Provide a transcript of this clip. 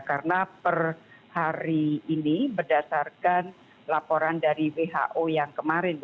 karena per hari ini berdasarkan laporan dari who yang kemarin